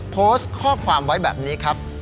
โพสต์ข้อความไว้แบบนี้ครับ